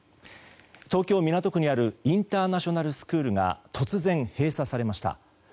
東京・港区にあるインターナショナルスクールが突然、閉鎖されました。